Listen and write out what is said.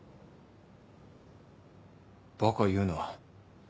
バカ言うな。